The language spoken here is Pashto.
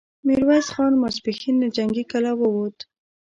ميرويس خان ماسپښين له جنګي کلا ووت،